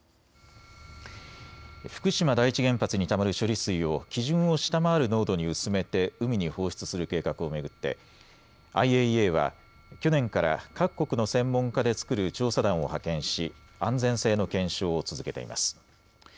福島第一原発にたまる処理水を基準を下回る濃度に薄めて海に放出する計画を巡ってＩＡＥＡは去年から各国の専門家で作る調査団を派遣し安全性の検証を続けています。